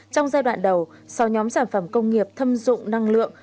trong giai đoạn đầu sau nhóm sản phẩm công nghiệp thâm dụng năng lượng